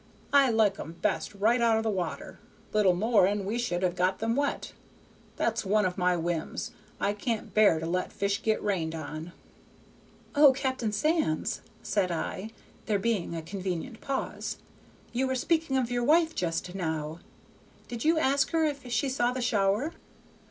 I like 'em best right out o' the water. Little more and we should have got them wet. That's one of my whims; I can't bear to let fish get rained on." "O Captain Sands!" said I, there being a convenient pause, "you were speaking of your wife just now; did you ask her if she saw the shower?"